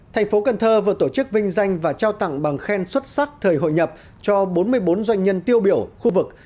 thành phố cần thơ vừa tổ chức vinh danh và trao tặng bằng khen xuất sắc thời hội nhập cho bốn mươi bốn doanh nhân tiêu biểu khu vực